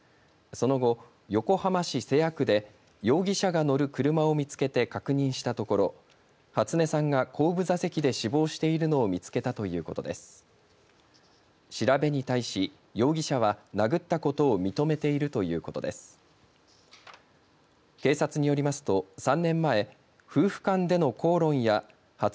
その後、横浜市瀬谷区で容疑者が乗る車を見つけて確認したところ初音さんが後部座席で死亡しているのを見つけたということです。